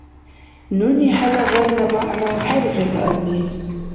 Нуни хӀела гъайла мягӀна хӀергъира, ази.